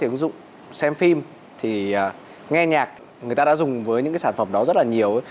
ứng dụng xem phim nghe nhạc người ta đã dùng với những sản phẩm đó rất là nhiều